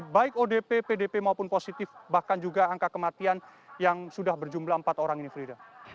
baik odp pdp maupun positif bahkan juga angka kematian yang sudah berjumlah empat orang ini frida